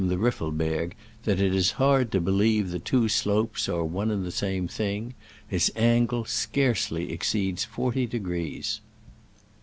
the Riffelberg that it is hard to believe the two slopes are one and the same thing. Its angle scarcely exceeds forty degrees.